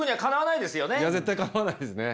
いや絶対にかなわないですね。